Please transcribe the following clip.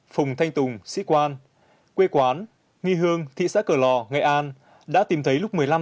ba phùng thanh tùng sĩ quan quê quán lộc ninh đồng hới quảng bình đã tìm thấy lúc tám h năm mươi phút ngày một mươi tám tháng một mươi